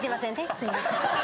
すいません。